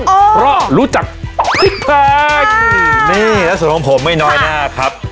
กรอรู้จักติ๊กแพงนี่แล้วส่วนของผมไม่น้อยนะครับ